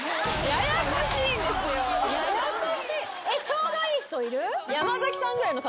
ちょうどいい人いる？